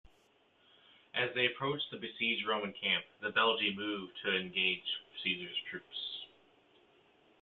As they approached the besieged Roman camp, the Belgae moved to engage Caesar's troops.